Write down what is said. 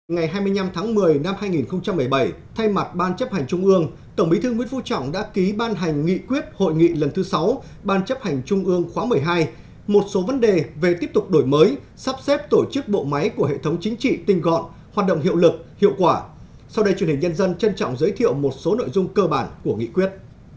ngày hai mươi năm tháng một mươi năm hai nghìn một mươi bảy thay mặt ban chấp hành trung ương tổng bí thư nguyễn phú trọng đã ký ban hành nghị quyết hội nghị lần thứ sáu ban chấp hành trung ương khóa một mươi hai một số vấn đề về tiếp tục đổi mới sắp xếp tổ chức bộ máy của hệ thống chính trị tinh gọn hoạt động hiệu lực hiệu quả sau đây truyền hình nhân dân trân trọng giới thiệu một số nội dung cơ bản của nghị quyết